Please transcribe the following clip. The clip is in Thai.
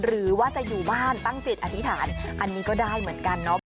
หรือว่าจะอยู่บ้านตั้งจิตอธิษฐานอันนี้ก็ได้เหมือนกันเนาะ